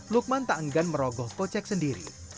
lukman tak enggan merogoh kocek sendiri